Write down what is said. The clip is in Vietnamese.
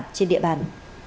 đổ tấn trên địa bàn